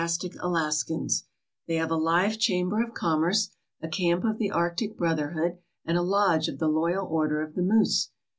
WINTER TALES OF TANANA have a live chamber of commerce, a camp of the Arctic Brotherhood, and a lodge of the Loyal Order of the Moose.